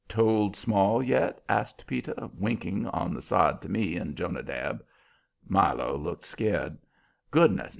"Told Small yet?" asked Peter T., winking on the side to me and Jonadab. Milo looked scared. "Goodness!